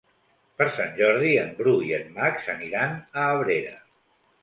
Per Sant Jordi en Bru i en Max aniran a Abrera.